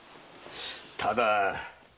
ただ。